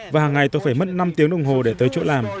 và hàng ngày tôi phải mất năm tiếng đồng hồ để tới chỗ làm